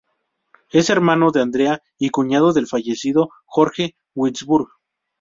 Es hermano de Andrea y cuñado del fallecido Jorge Guinzburg.